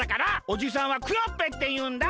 おじさんはクヨッペンっていうんだ。